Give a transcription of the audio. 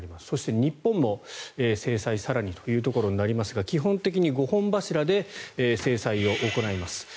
そして、日本も制裁を更にというところになりますが基本的に５本柱で制裁を行います。